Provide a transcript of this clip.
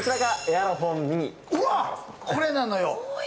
うわ、これなのよ。